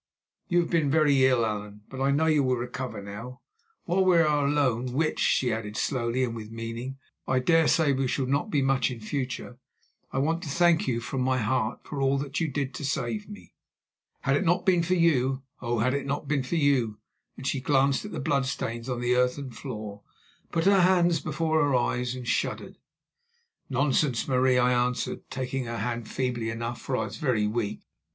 "You have been very ill, Allan, but I know you will recover now. While we are alone, which," she added slowly and with meaning, "I dare say we shall not be much in future, I want to thank you from my heart for all that you did to save me. Had it not been for you, oh! had it not been for you"—and she glanced at the blood stains on the earthen floor, put her hands before her eyes and shuddered. "Nonsense, Marie," I answered, taking her hand feebly enough, for I was very weak.